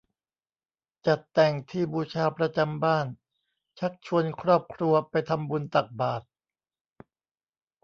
จัดแต่งที่บูชาประจำบ้าน ชักชวนครอบครัวไปทำบุญตักบาตร